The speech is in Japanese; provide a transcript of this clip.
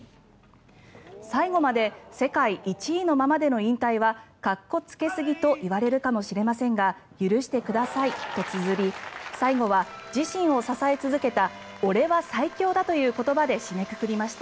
最後まで世界１位のままでの引退はかっこつけすぎといわれるかもしれませんが許してくださいとつづり最後は自身を支え続けた俺は最強だ！という言葉で締めくくりました。